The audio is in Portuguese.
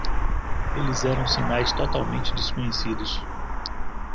Eles eram sinais totalmente desconhecidos.